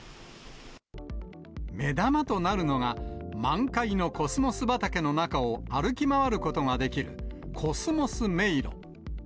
目玉となるのが、満開のコスモス畑の中を歩き回ることができる、コスモスめいろ。